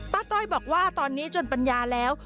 ต้อยบอกว่าตอนนี้จนปัญญาแล้ว